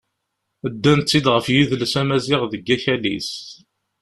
Ddan-tt-id ɣef yidles amaziɣ deg akal-is.